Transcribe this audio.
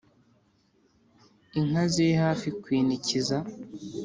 inka ziri hafi kwinikiza